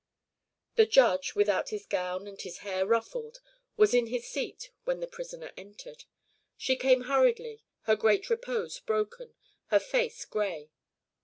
The Judge, without his gown and his hair ruffled, was in his seat when the prisoner entered. She came hurriedly, her great repose broken, her face grey.